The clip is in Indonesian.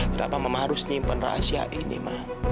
kenapa mama harus nimpen rahasia ini ma